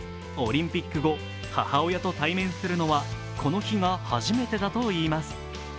オリンピック後、母親と対面するのはこの日が初めてだといいます。